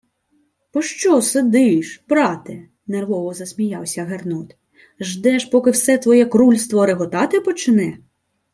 — Пощо сидиш, брате? — нервово засміявся Гернот. — Ждеш, поки все твоє крульство реготати почне?